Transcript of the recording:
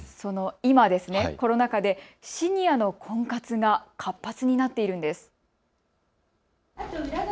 今コロナ禍で、シニアの婚活が活発になっているんです。